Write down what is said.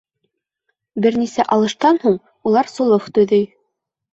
Бер нисә алыштан һуң, улар солох төҙөй.